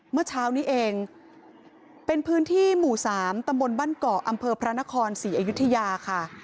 เมื่อเช้านี้เองเป็นพื้นที่หมู่๓ตำบลบ้านเกาะอำเภอพระนครศรีอยุธยาค่ะ